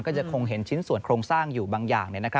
ก็จะคงเห็นชิ้นส่วนโครงสร้างอยู่บางอย่าง